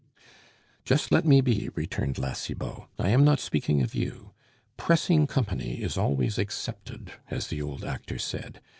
"Just let me be," returned La Cibot; "I am not speaking of you. 'Pressing company is always accepted,' as the old actor said.